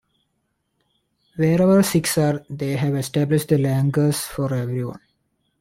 Wherever Sikhs are, they have established the langars for everyone.